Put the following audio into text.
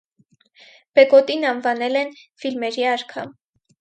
Բեգոտին անվանել են «ֆիլմերի արքա»։